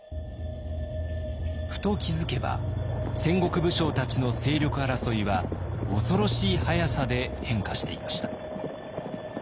ふと気付けば戦国武将たちの勢力争いは恐ろしい速さで変化していました。